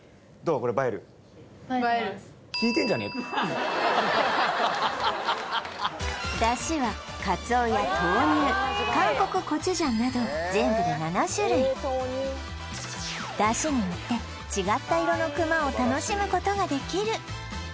これだしは鰹や豆乳韓国コチュジャンなど全部で７種類だしによって違った色のくまを楽しむことができる